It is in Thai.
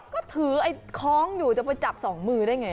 ก็ถือไอ้คล้องอยู่จะไปจับสองมือได้ไง